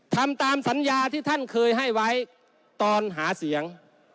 ทำตามสัญญาที่ท่านเคยให้ไว้ตอนหาเสียง